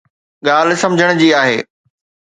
ڳالهه سمجھڻ جي آهي.